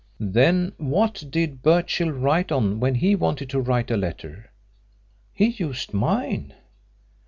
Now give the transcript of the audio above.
"Then what did Birchill write on when he wanted to write a letter?" "He used mine."